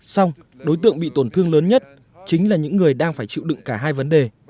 xong đối tượng bị tổn thương lớn nhất chính là những người đang phải chịu đựng cả hai vấn đề